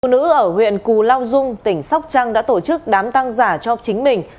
cô nữ ở huyện cù lao dung tỉnh sóc trăng đã tổ chức đám tang giả cho chính mình